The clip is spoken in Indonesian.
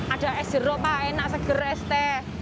ada es jeruk pak enak seger es teh